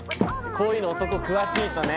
こういうの男詳しいとね。